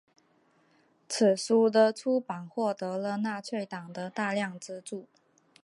此书的出版获得了纳粹党的大量资助。